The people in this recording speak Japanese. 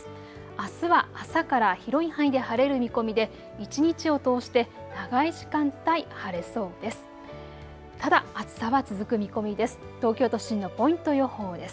あすは朝から広い範囲で晴れる見込みで一日を通して長い時間帯、晴れそうです。